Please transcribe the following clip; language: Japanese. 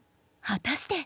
果たして。